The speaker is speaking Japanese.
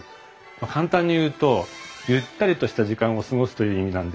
簡単に言うとゆったりとした時間を過ごすという意味なんです。